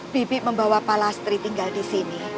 bibi membawa pak lastri tinggal di sini